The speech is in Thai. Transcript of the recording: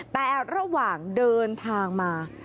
แต่ระหว่างเดินทางมา